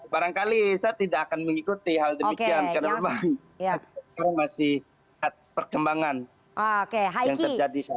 barangkali saya tidak akan mengikuti hal demikian karena saya masih perkembangan yang terjadi